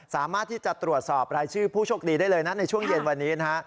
สามารถที่จะตรวจสอบรายชื่อผู้โชคดีได้เลยนะในช่วงเย็นวันนี้นะฮะ